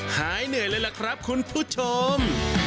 หายเหนื่อยเลยล่ะครับคุณผู้ชม